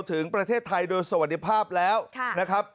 ถึงประเทศไทยโดยสวัสดีภาพแล้วนะครับ